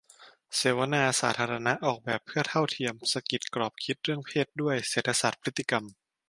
เสวนาสาธารณะ "ออกแบบเพื่อเท่าเทียม 'สะกิด' กรอบคิดเรื่องเพศด้วยเศรษฐศาสตร์พฤติกรรม"